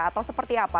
atau seperti apa